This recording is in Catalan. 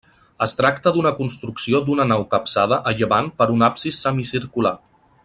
Es tracta d'una construcció d'una nau capçada a llevant per un absis semicircular.